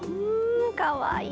かわいい！